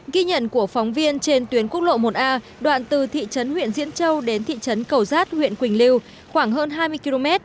ghi nhận của phóng viên trên tuyến quốc lộ một a đoạn từ thị trấn huyện diễn châu đến thị trấn cầu giác huyện quỳnh lưu khoảng hơn hai mươi km